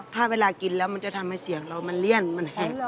ถ้าเวลากินแล้วมันจะทำให้เสียงเรามันเลี่ยนมันแหก